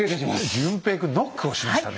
淳平君ノックをしましたね